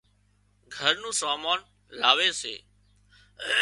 گھر نُون سامان لاوي سي